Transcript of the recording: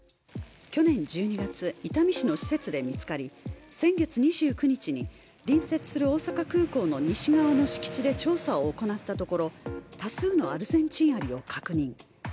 去年１２月、伊丹市の施設で見つかり先月２９日に隣接する大阪空港の西側の敷地で調査を行ったところ多数のアルゼンチンアリを確認。